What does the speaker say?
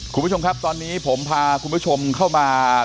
คุณผู้ชมครับตอนนี้ผมพาคุณผู้ชมเข้ามา